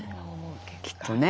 きっとね。